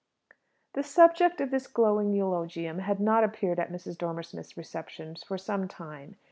The subject of this glowing eulogium had not appeared at Mrs. Dormer Smith's receptions for some time.